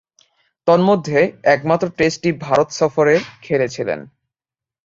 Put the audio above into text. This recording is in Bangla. তন্মধ্যে, একমাত্র টেস্টটি ভারত সফরে খেলেছিলেন।